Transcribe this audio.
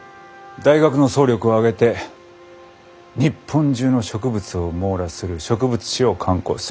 大学の総力を挙げて日本中の植物を網羅する植物志を刊行する。